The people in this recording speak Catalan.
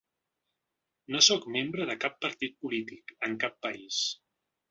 No sóc membre de cap partit polític en cap país.